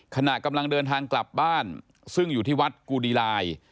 ขณะกำลังเดินทางกลับบ้านซึ่งอยู่ที่วัดกูดีลาย